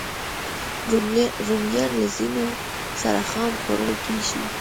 رومیان له ځینو سره خام خوړل کېږي